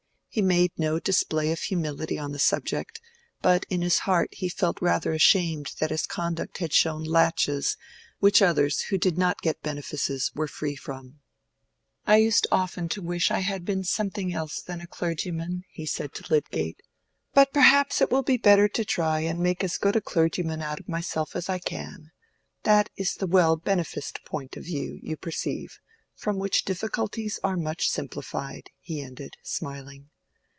He made no display of humility on the subject, but in his heart he felt rather ashamed that his conduct had shown laches which others who did not get benefices were free from. "I used often to wish I had been something else than a clergyman," he said to Lydgate, "but perhaps it will be better to try and make as good a clergyman out of myself as I can. That is the well beneficed point of view, you perceive, from which difficulties are much simplified," he ended, smiling.